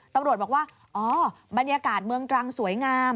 ตำรวจบอกว่าอ๋อบรรยากาศเมืองตรังสวยงาม